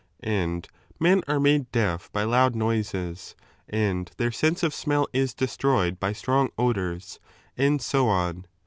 [ And men are made deaf by loud noises, and tbeir sense of smell is destroyed by strong odours, and so on.